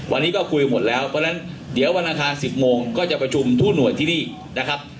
วันนี้ก็คุยหมดแล้วเพราะฉะนั้นเดี๋ยววันอังคาร๑๐โมงก็จะประชุมทุกหน่วยที่นี่นะครับ